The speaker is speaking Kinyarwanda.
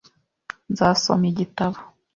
Nzasoma igitabo .